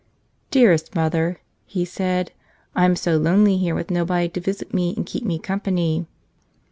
"Dearest Mother," he said, "I'm so lonely here with nobody to visit me and keep me company."